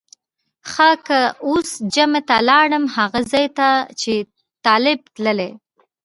ښه که اوس جمعه ته لاړم هغه ځای ته چې طالب تللی.